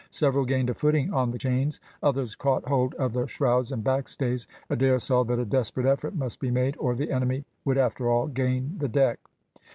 Several gained a footing on the chains, others caught hold of the shrouds and back stays. Adair saw that a desperate effort must be made, or the enemy would after all gain the deck.